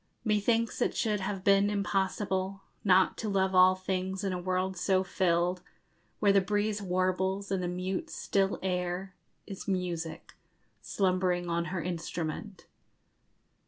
Methinks it should have been impossible Not to love all things in a world so filled, Where the breeze warbles, and the mute still air _Is music, slumbering on her instrument.